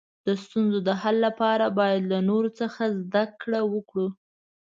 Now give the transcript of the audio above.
د ستونزو د حل لپاره باید له نورو څخه زده کړه وکړو.